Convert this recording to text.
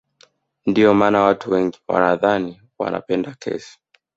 Ndio maana watu wengine wanadhani wanapenda kesi